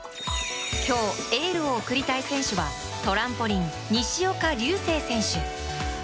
今日エールを送りたい選手はトランポリン、西岡隆成選手。